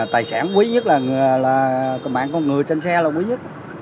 tài sản quý nhất là mạng con người trên xe là quý nhất